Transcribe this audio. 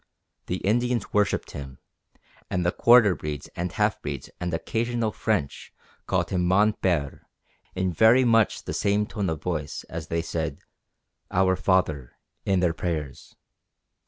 The Indians worshipped him, and the quarter breeds and half breeds and occasional French called him "mon Père" in very much the same tone of voice as they said "Our Father" in their prayers.